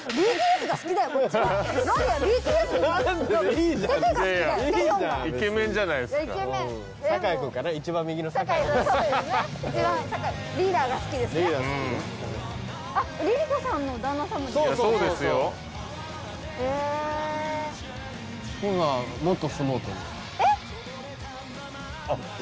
えっ⁉